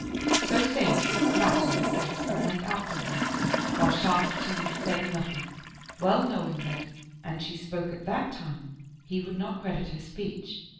So saying, he spat in her face and went out from her; while Shah Khatun said nothing, well knowing that, an she spoke at that time, he would not credit her speech.